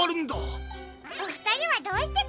おふたりはどうしてここに？